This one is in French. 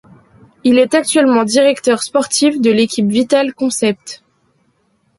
Il est actuellement directeur sportif de l'équipe Vital Concept.